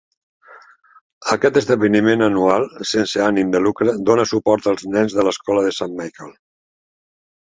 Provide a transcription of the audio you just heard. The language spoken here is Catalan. Aquest esdeveniment anual sense ànim de lucre dóna suport als nens de l'escola de Saint Michael.